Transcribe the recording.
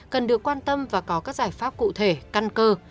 cần được quan tâm và có các giải pháp cụ thể căn cơ